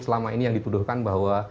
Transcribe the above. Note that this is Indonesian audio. selama ini yang dituduhkan bahwa